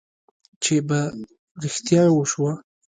چې په رښتیا وشوه.